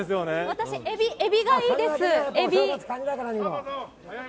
私はエビがいいです。